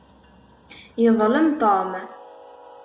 Yeḍlem Tom.